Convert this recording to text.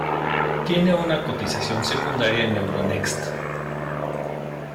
Tiene una cotización secundaria en Euronext.